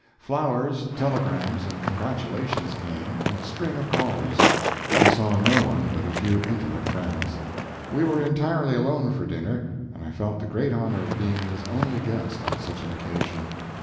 Flowers, telegrams, and congratulations came, and a string of callers. He saw no one but a few intimate friends. We were entirely alone for dinner, and I felt the great honor of being his only guest on such an occasion.